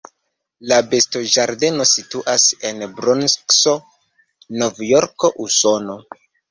La bestoĝardeno situas en Bronkso, Novjorko, Usono.